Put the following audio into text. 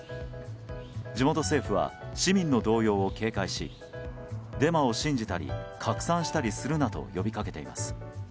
地元政府は市民の動揺を警戒しデマを信じたり拡散したりするなと呼び掛けています。